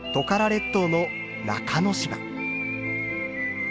列島の中之島。